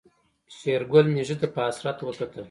شېرګل ميږې ته په حسرت وکتل.